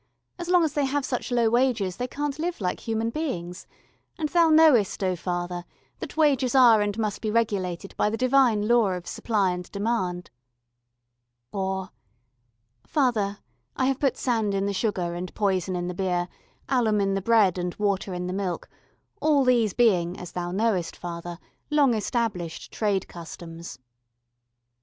As long as they have such low wages they can't live like human beings. And Thou knowest, O Father, that wages are and must be regulated by the divine law of supply and demand." Or "Father, I have put sand in the sugar and poison in the beer, alum in the bread and water in the milk, all these being, as Thou knowest, Father, long established trade customs."